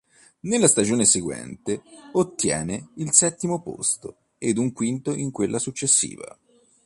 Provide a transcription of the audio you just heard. Nella stagione seguente ottiene il settimo posto ed un quinto in quella successiva.